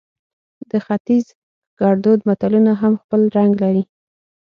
د ختیز ګړدود متلونه هم خپل رنګ لري